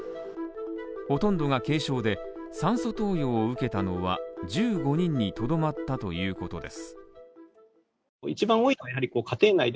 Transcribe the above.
ほとんどが軽症で、酸素投与を受けたのは１５人にとどまったということです。